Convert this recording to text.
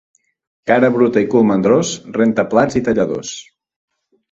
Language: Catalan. Cara bruta i cul mandrós, renta plats i talladors.